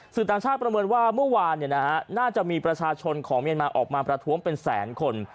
ต่างชาติประเมินว่าเมื่อวานน่าจะมีประชาชนของเมียนมาออกมาประท้วงเป็นแสนคน